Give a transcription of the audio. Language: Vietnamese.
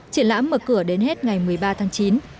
triển lãm mở cửa đến hết ngày một mươi ba tháng chín